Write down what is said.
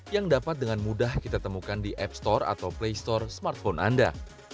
yang dapat dengan mudah kita temukan di app store atau play store smartphone anda